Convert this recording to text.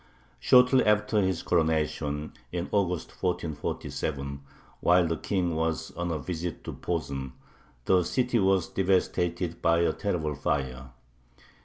Shortly after his coronation, in August, 1447, while the King was on a visit to Posen, the city was devastated by a terrible fire.